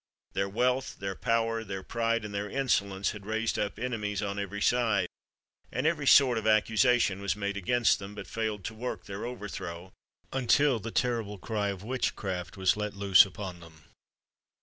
Their wealth, their power, their pride, and their insolence had raised up enemies on every side; and every sort of accusation was made against them, but failed to work their overthrow, until the terrible cry of witchcraft was let loose upon them.